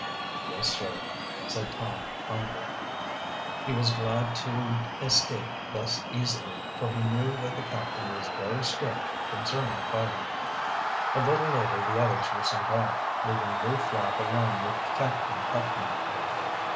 '" "Yes, sir," said Tom humbly. He was glad to escape thus easily, for he knew that the captain was very strict concerning fighting. A little later the others were sent off, leaving Lew Flapp alone with Captain Putnam.